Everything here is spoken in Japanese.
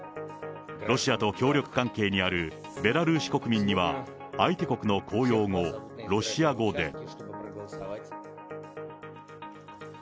ロシアと協力関係にあるベラルーシ国民には、相手国の公用語、ロシア語で。